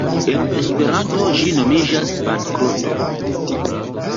“En Esperanto ĝi nomiĝas ‘bankroto’.